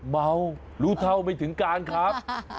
เมารู้เท่าไม่ถึงการครับ